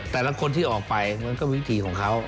แต่ละคนที่ออกไปมันก็วิธีของเขา